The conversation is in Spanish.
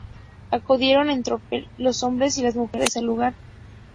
Acudieron en tropel los hombres y las mujeres al lugar.